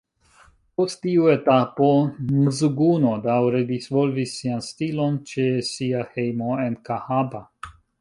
Post tiu etapo Mzuguno daŭre disvolvis sian stilon ĉe sia hejmo en Kahaba.